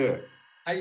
はい。